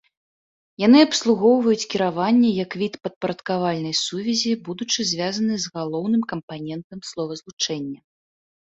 Яны абслугоўваюць кіраванне як від падпарадкавальнай сувязі, будучы звязаны з галоўным кампанентам словазлучэння.